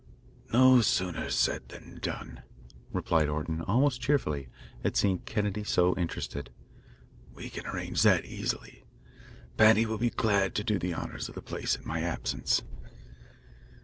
"No sooner said than done," replied Orton, almost cheerfully, at seeing Kennedy so interested. "We can arrange that easily. Paddy will be glad to do the honours of the place in my absence."